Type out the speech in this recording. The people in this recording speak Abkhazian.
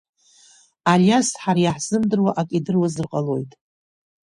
Алиас ҳара иаҳзымдыруа ак идыруазар ҟалоит.